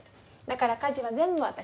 だから家事は全部私。